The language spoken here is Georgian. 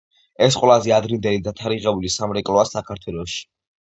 ეს ყველაზე ადრინდელი დათარიღებული სამრეკლოა საქართველოში.